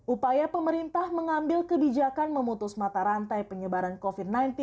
upaya pemerintah mengambil kebijakan memutus mata rantai penyebaran covid sembilan belas